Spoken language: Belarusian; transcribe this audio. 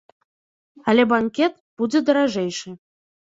Але банкет будзе даражэйшы.